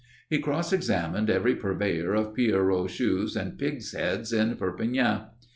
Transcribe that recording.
He cross examined every purveyor of pierrot shoes and pig's heads in Perpignan.